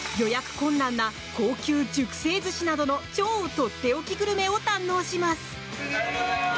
困難な高級熟成寿司などの超とっておきグルメを堪能します。